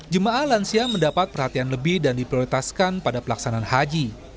jemaah lansia mendapat perhatian lebih dan diprioritaskan pada pelaksanaan haji